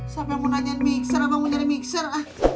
siapa yang mau nanyain mixer abang mau nyari mixer